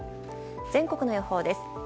全国の予報です。